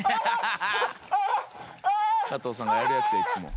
加藤さんがやるやつやいつも。